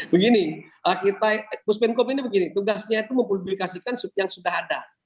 begini kita puspenkum ini begini tugasnya itu mempublikasikan yang sudah ada